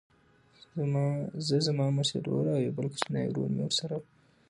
زه زما مشر ورور او یو بل کوچنی ورور مې ورسره و